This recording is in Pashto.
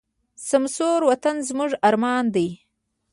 سمسور وطن زموږ ارمان دی.